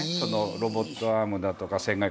ロボットアームだとか船外活動とか。